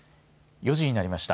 ４時になりました。